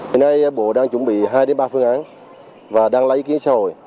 hiện nay bộ đang chuẩn bị hai ba phương án và đang lấy ý kiến xã hội